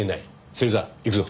芹沢行くぞ。